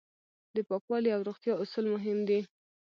د پاکوالي او روغتیا اصول مهم دي.